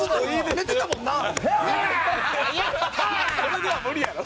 それでは無理やろ。